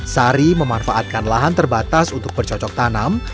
sari memanfaatkan lahan terbatas untuk bercocok tanam